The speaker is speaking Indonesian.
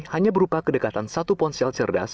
hanya berupa kedekatan satu ponsel cerdas